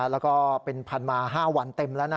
แล้วก็เป็นพันมา๕วันเต็มแล้วนะ